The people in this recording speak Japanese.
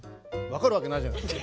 分かるわけないじゃないですか。